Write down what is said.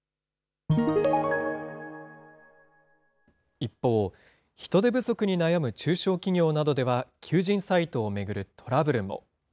一方、人手不足に悩む中小企業などでは、求人サイトを巡るトラブルも。